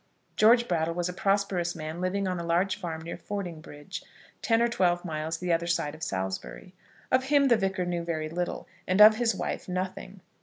George Brattle was a prosperous man, living on a large farm near Fordingbridge, ten or twelve miles the other side of Salisbury. Of him the Vicar knew very little, and of his wife nothing.